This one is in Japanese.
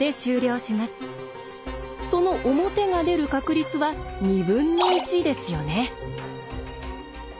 その表が出る確率は２分の１ですよね。